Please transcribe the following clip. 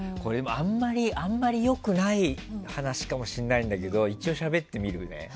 あんまり良くない話かもしれないんだけど一応しゃべってみるね。